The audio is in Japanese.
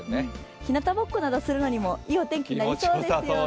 ひなたぼっこなどするのにもいい天気になりそうですよね。